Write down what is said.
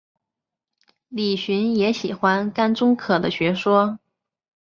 李寻也喜欢甘忠可的学说。